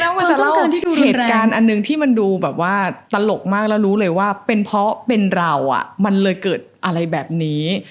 เจ๊น้ำกว่าจะเล่าเหตุการณ์อันนึงที่มันดูตลกมากแล้วรู้เลยว่าเป็นเพราะเป็นเรามันเลยเกิดอะไรแบบนี้